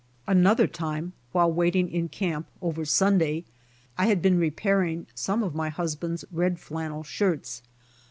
Another time while waiting in camp over Sunday, I had been repairing some of my husband's red flannel shirts.